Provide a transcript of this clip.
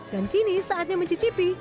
dan kini saatnya mencicipi